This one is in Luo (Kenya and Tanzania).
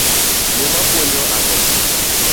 Muma puonjo ango?